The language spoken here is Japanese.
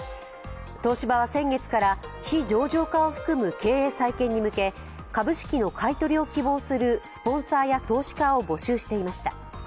東芝は先月から非上場化含む経営再建に向け株式の買い取りを希望するスポンサーや投資家を募集していました。